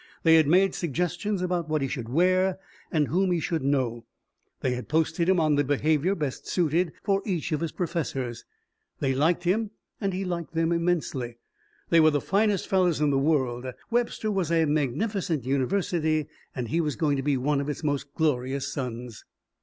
They had made suggestions about what he should wear and whom he should know; they had posted him on the behaviour best suited for each of his professors. They liked him and he liked them, immensely. They were the finest fellows in the world. Webster was a magnificent university. And he was going to be one of its most glorious sons.